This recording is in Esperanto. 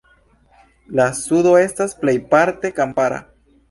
La sudo estas plejparte kampara.